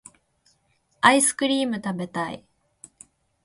アイスクリームたべたい